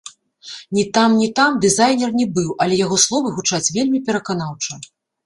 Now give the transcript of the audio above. Ні там, ні там дызайнер не быў, але яго словы гучаць вельмі пераканаўча!